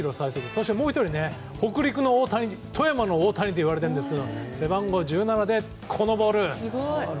そしてもう１人富山の大谷といわれてるんですが背番号１７でこのボール！